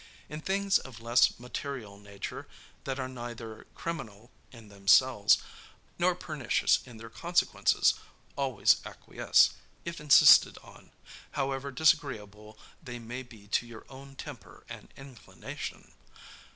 In things of less material nature, that are neither criminal in themselves, nor pernicious in their consequences, always acquiesce, if insisted on, however disagreeable they may be to your own temper and inclination.